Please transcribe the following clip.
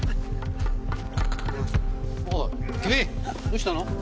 どうしたの？